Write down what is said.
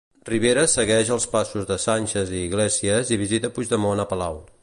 Rivera segueix els passos de Sánchez i Iglesias, i visita Puigdemont a palau.